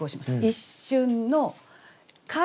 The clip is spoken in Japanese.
「一瞬の影」。